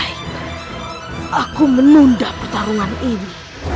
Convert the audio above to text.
aku menunda pertarungan ini